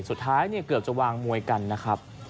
สุดท้ายเนี่ยเกือบจะวางมวยกันนะครับ